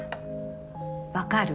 分かる？